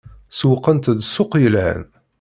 Sewwqent-d ssuq yelhan.